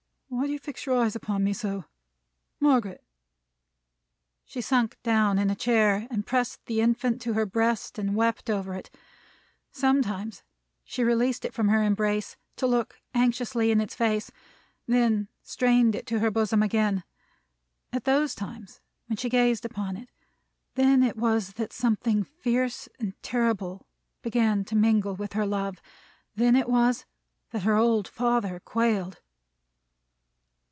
Why do you fix your eyes upon me so? Margaret!" She sunk down in a chair, and pressed the infant to her breast, and wept over it. Sometimes, she released it from her embrace, to look anxiously in its face: then strained it to her bosom again. At those times, when she gazed upon it, then it was that something fierce and terrible began to mingle with her love. Then it was that her old father quailed.